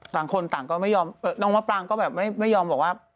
ต่างคนต่างก็ไม่ยอมน้องมะปรางก็แบบไม่ยอมบอกว่า